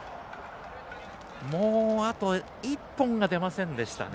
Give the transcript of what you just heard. もう、あと１本が出ませんでしたね。